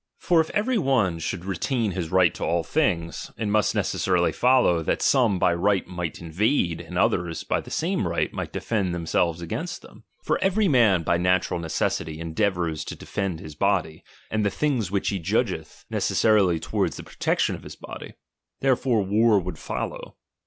For if every one should retain his right to all things, it must necessarily follow, that some by right might invade, and others, by the same right, might defend themselves against them. For every man by natural necessity endeavours to defend bis body, and the things which he judgeth necessary towards theprotection of hisbody. There fore war would follow.